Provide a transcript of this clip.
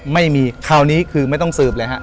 ไม่มีคราวนี้คือไม่ต้องสืบเลยฮะ